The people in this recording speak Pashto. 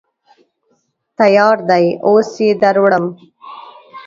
_تيار دی، اوس يې دروړم.